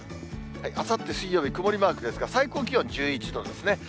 あさって水曜日、曇りマークですが、最高気温１１度ですね。